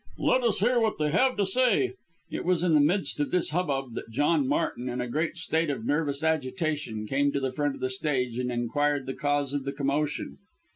"Let us hear what they have to say." It was in the midst of this hubbub that John Martin in a great state of nervous agitation came to the front of the stage and inquired the cause of the commotion.